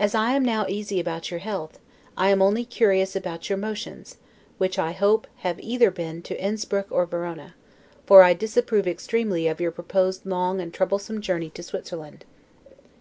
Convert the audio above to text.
As I am now easy about your health, I am only curious about your motions, which I hope have been either to Inspruck or Verona; for I disapprove extremely of your proposed long and troublesome journey to Switzerland.